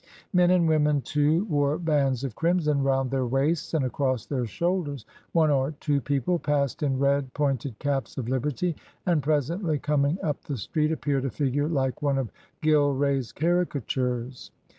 Men and women too wore bands of crimson round their waists and across their shoulders; one or two people passed in red pointed caps of liberty, and presently coming up the street appeared a figure like one of Gilray's caricatures.